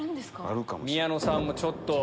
宮野さんもちょっと。